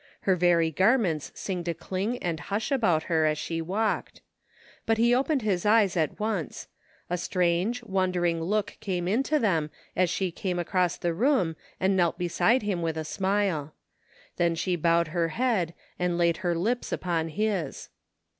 Her very garments seemed to cling and hush about her as she walked. But he opened his eyes at once; a strange, wondering look came into them as she came across the room and knelt beside him with a smile. 268 it THE FINDING OF JASPER HOLT Then she bowed her head and laid her lips upoa his.